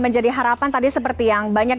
menjadi harapan tadi seperti yang banyak